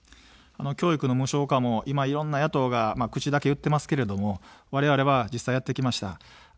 教育の無償化も今、いろんな野党が口だけ言ってますけれども、われわれは実際やってきました。